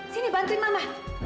sini bantuin mama